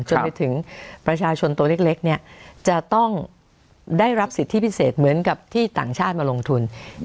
จนถึงประชาชนตัวเล็กเนี่ยจะต้องได้รับสิทธิพิเศษเหมือนกับที่ต่างชาติมาลงทุน